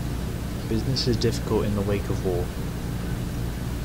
Business is difficult in the wake of the war.